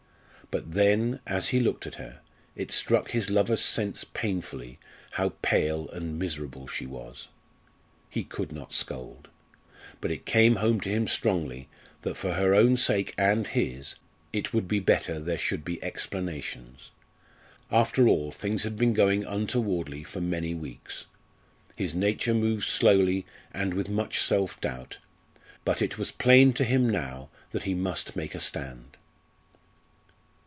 But then, as he looked at her, it struck his lover's sense painfully how pale and miserable she was. He could not scold! But it came home to him strongly that for her own sake and his it would be better there should be explanations. After all things had been going untowardly for many weeks. His nature moved slowly and with much self doubt, but it was plain to him now that he must make a stand.